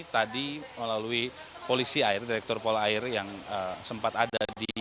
tadi melalui polisi air direktur polair yang sempat ada di